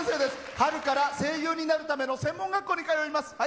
春から声優になるための専門学校に通います。